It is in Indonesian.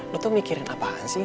lo tuh mikirin apaan sih